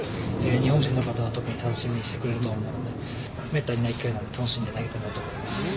日本人の方々も特に楽しみにしてくれると思うので、めったにない機会なので、楽しんで投げたいなと思います。